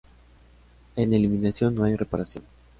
En "eliminación", no hay reaparición.